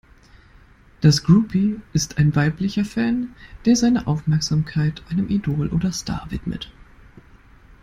Das Groupie ist ein weiblicher Fan, der seine Aufmerksamkeit einem Idol oder Star widmet.